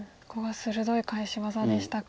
鋭い返し技でしたか。